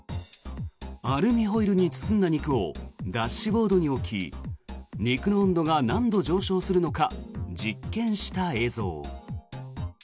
アルミホイルに包んだ肉をダッシュボードに置き肉の温度が何度上昇するのか実験した映像。